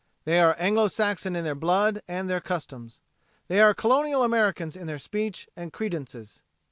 They are Anglo Saxon in their blood and their customs. They are Colonial Americans in their speech and credences.